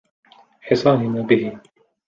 حصاني ما به؟